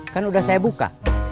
kan udah saya buka